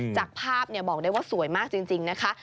จากภาพบอกได้ว่าสวยมากจริงนะคะ